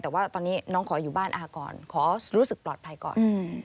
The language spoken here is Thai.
แต่ว่าตอนนี้น้องขออยู่บ้านอาก่อนขอรู้สึกปลอดภัยก่อน